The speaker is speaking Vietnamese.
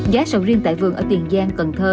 giá sầu riêng tại vườn ở tiền giang cần thơ